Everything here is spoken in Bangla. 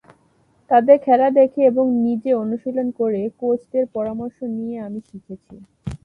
তাদের খেলা দেখে এবং নিজে অনুশীলন করে, কোচদের পরামর্শ নিয়ে আমি শিখেছি।